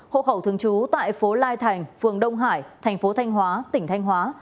hộ khẩu thường trú tại phố lai thành phường đông hải tp thanh hóa tỉnh thanh hóa